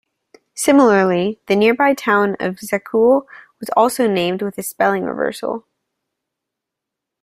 Similarly, the nearby town of Sacul was also named with a spelling reversal.